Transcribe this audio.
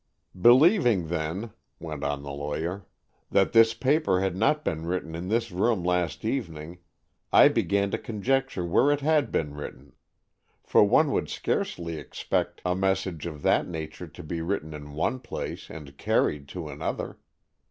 "Believing, then," went on the lawyer, "that this paper had not been written in this room last evening, I began to conjecture where it had been written. For one would scarcely expect a message of that nature to be written in one place and carried to another.